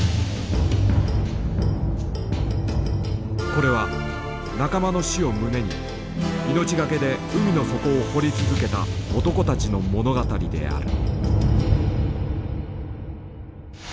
これは仲間の死を胸に命懸けで海の底を掘り続けた男たちの物語である。